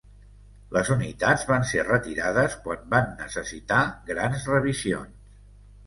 Les unitats van ser retirades quan van necessitar grans revisions.